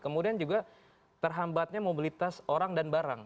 kemudian juga terhambatnya mobilitas orang dan barang